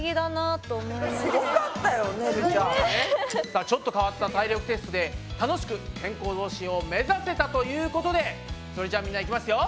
さあちょっと変わった体力テストで楽しく健康増進を目指せたということでそれじゃみんなでいきますよ。